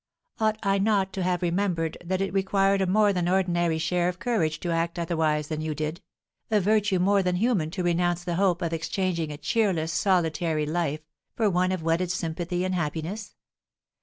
Ought I not to have remembered that it required a more than ordinary share of courage to act otherwise than you did, a virtue more than human to renounce the hope of exchanging a cheerless, solitary life, for one of wedded sympathy and happiness?